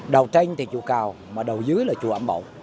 đầu tranh thì chùa cầu mà đầu dưới là chùa ảm bộ